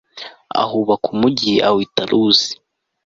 ahubaka umugi awita luzi